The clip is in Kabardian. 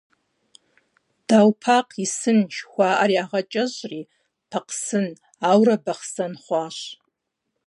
«Дау Пакъ и сын» жыхуаӏэр ягъэкӏэщӏри, Пакъсын, ауэрэ Бахъсэн хъуащ.